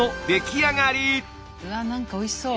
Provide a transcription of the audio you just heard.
うわなんかおいしそう。